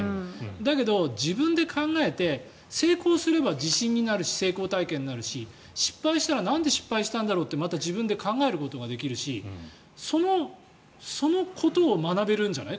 だけど、自分で考えて成功すれば自信になるし成功体験になるし失敗したらなんで失敗したのかとまた自分で考えることができるしそのことを学べるんじゃない？